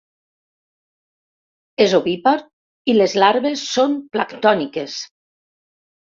És ovípar i les larves són planctòniques.